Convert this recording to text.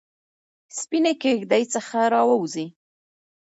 سپینې کیږ دۍ څخه راووزي